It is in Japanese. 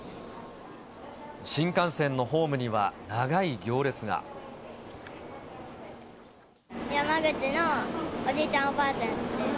新幹線のホームには長い行列山口のおじいちゃん、おばあちゃんちです。